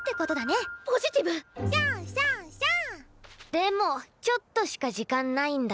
でもちょっとしか時間ないんだよ？